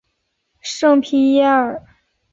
圣皮耶尔。